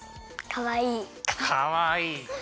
かわいい。